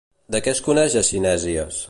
De què es coneix a Cinèsies?